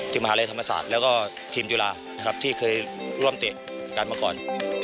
ที่มหาลัยธรรมศาสตร์แล้วก็ทีมยุลาที่เคยร่วมเตะกันมาก่อน